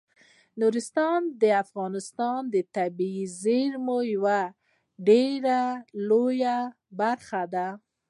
نورستان د افغانستان د طبیعي زیرمو یوه ډیره لویه برخه ده.